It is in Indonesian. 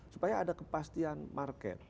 supaya ada kepastian market